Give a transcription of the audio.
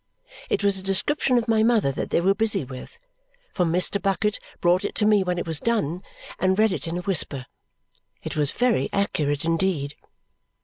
It was a description of my mother that they were busy with, for Mr. Bucket brought it to me when it was done and read it in a whisper. It was very accurate indeed.